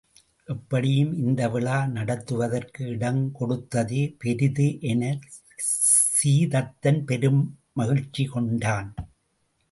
எப்படியும் இந்த விழா நடத்துவதற்கு இடம் கொடுத்ததே பெரிது எனச் சீதத்தன் பெருமகிழ்வு கொண்டான்.